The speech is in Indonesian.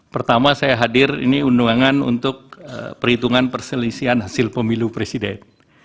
pertama saya hadir ini undangan untuk perhitungan perselisihan hasil pemilu presiden